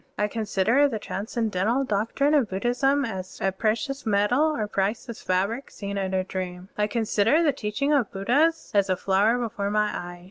I consider the transcendental doctrine of Bud dhism as precious metal or priceless fabric seen in a dream. I consider the teaching of Buddhas as a flower before my eyes.